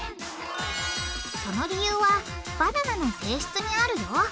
その理由はバナナの性質にあるよ。